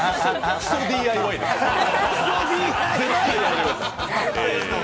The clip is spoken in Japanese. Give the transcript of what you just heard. くそＤＩＹ、絶対やめてください。